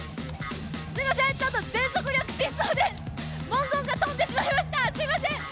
すいません、ちょっと全速力疾走で文言が飛んでしまいました、すいません！